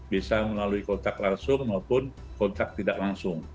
bisa melalui kontak langsung maupun kontrak tidak langsung